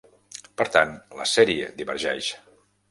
Per tant, la sèrie divergeix.